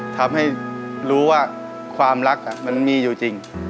ทำให้รู้ว่าความรักมันมีอยู่จริง